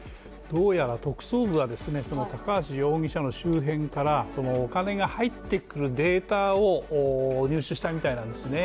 どうやら特捜部が高橋容疑者の周辺からお金が入ってくるデータを入手したみたいなんですね。